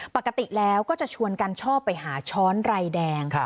ปกติแล้วก็จะชวนกันชอบไปหาช้อนไรแดง